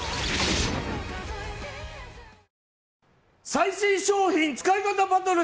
最新商品使い方バトル！